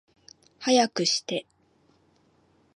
早くして